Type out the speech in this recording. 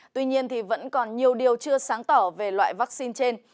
tuy nhiên vẫn còn nhiều điều chưa sáng tỏ về loại vaccine trên